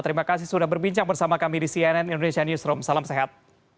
terima kasih sudah berbincang bersama kami di cnn indonesia newsroom salam sehat